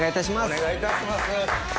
お願いいたします。